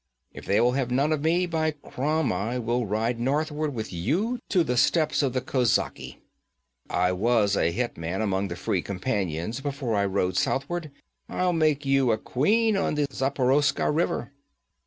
If they will have none of me, by Crom! I will ride northward with you to the steppes of the kozaki. I was a hetman among the Free Companions before I rode southward. I'll make you a queen on the Zaporoska River!'